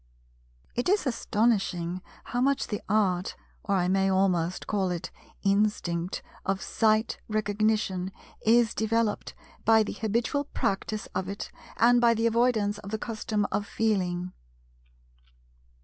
It is astonishing how much the Art—or I may almost call it instinct—of Sight Recognition is developed by the habitual practice of it and by the avoidance of the custom of "Feeling."